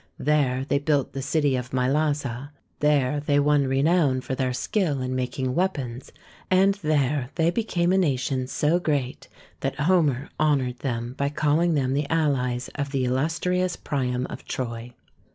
There they built the city of Mylasa ; there they won renown for their skill in making weapons, and there they became a nation so great that Homer honoured them by calling them the allies of the illustrious Priam of Troy.